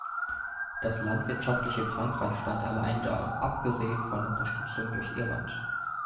Das landwirtschaftliche Frankreich stand allein da, abgesehen von der Unterstützung durch Irland.